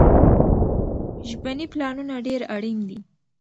ژبني پلانونه ډېر اړين دي.